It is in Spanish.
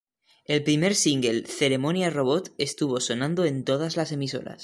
El primer single 'Ceremonia robot' estuvo sonando en todas las emisoras.